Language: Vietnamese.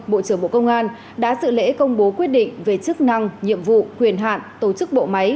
bộ trưởng bộ công an đã sự lễ công bố quyết định về chức năng nhiệm vụ quyền hạn tổ chức bộ máy